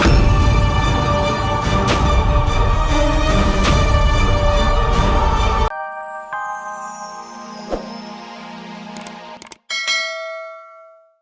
aku sudah dekat